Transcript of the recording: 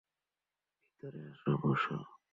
ভিতরে আসো, বসো।